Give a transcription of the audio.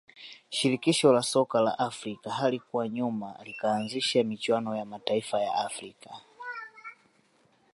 shirikisho la soka la afrika halikuwa nyuma likaanzisha michuano ya mataifa ya afrika